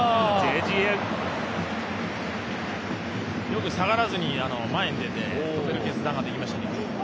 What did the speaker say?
よく下がらずに前に出て決断できましたね。